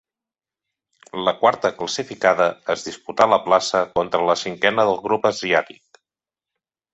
La quarta classificada es disputà la plaça contra la cinquena del grup asiàtic.